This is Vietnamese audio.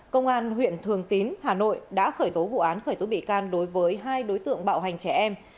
công an huyện thường tín hà nội đã khởi tố vụ án khởi tố bị can đối với hai đối tượng bạo hành trẻ em